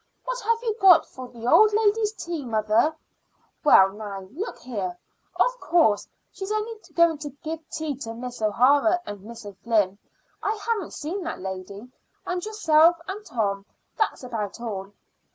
What have you got for the old lady's tea, mother?" "Well, now, look here. Of course, she's only going to give tea to Miss O'Hara and Miss O'Flynn I haven't seen that lady and yourself and Tom. That's about all."